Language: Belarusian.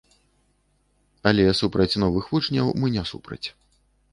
Але супраць новых вучняў мы не супраць.